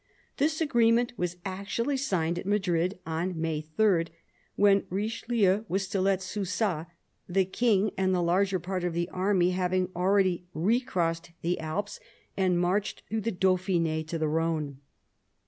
This agreement was actually signed at Madrid on May 3, when Richelieu was still at Susa, the King and the larger part of the army having already re crossed the Alps and marched through Dauphine to the Rhone.